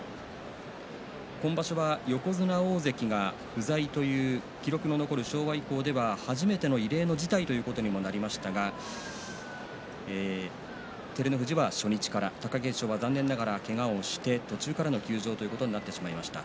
今場所は横綱、大関が不在という記録の残る昭和以降では初めての異例の事態ということにもなりましたが照ノ富士は初日から貴景勝は残念ながらけがをして途中からの休場となってしまいました。